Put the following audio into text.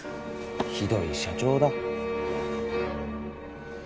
ひどい社長だ。